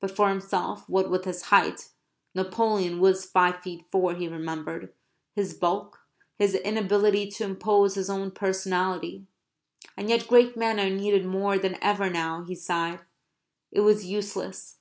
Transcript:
But for himself, what with his height (Napoleon was five feet four, he remembered), his bulk, his inability to impose his own personality (and yet great men are needed more than ever now, he sighed), it was useless.